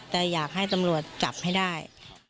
แต่อยากให้ตำรวจจับให้ได้